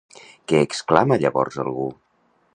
Què exclama llavors algú?